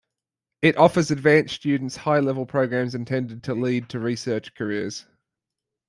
It offers advanced students high-level programs intended to lead to research careers.